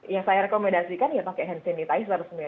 yang saya rekomendasikan ya pakai hand sanitizer ya kan